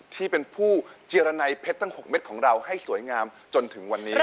ที่เป็นผู้เจรนัยเพชรทั้ง๖เม็ดของเราให้สวยงามจนถึงวันนี้